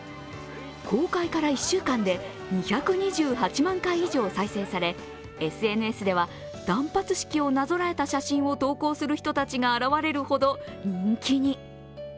公開から１週間で２２８万回以上再生されＳＮＳでは、断髪式をなぞらえた写真を投稿する人たちが現れるほど人気に。